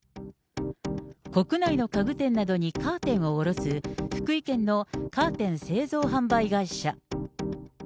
国内の家具店などにカーテンを卸す、福井県のカーテン製造販売会社。